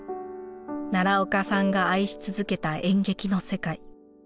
奈良岡さんが愛し続けた演劇の世界。